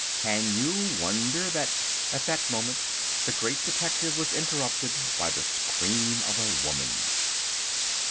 Can you wonder that—" At that moment the Great Detective was interrupted by the scream of a woman.